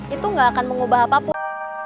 itu gak akan mengubah apapun